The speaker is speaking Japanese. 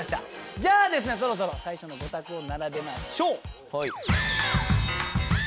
じゃあそろそろ最初のゴタクを並べましょう。